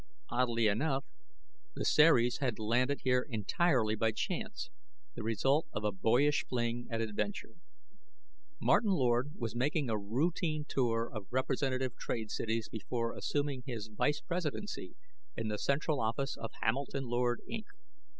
Oddly enough, the Ceres had landed here entirely by chance, the result of a boyish fling at adventure. Martin Lord was making a routine tour of representative trade cities before assuming his vice presidency in the central office of Hamilton Lord, Inc.